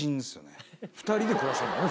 ２人で暮らしてんだよね？